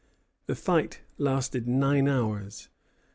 The fight lasted nine hours.